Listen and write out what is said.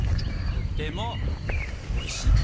とてもおいしい？